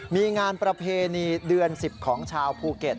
มีงานประเพณีเดือน๑๐ของชาวภูเก็ต